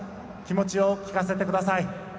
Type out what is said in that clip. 気持ちを聞かせてください。